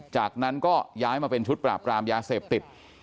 จากนั้นก็ย้ายมาเป็นชุดปราบกรามยาเสพติด